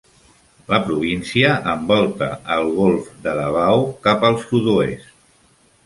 La província envolta el golf de Davao cap al sud-oest.